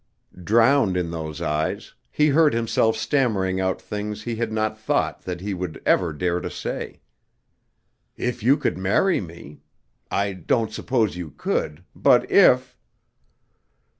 Drowned in those eyes, he heard himself stammering out things he had not thought that he would ever dare to say. "If you could marry me ... I don't suppose you could ... but if...."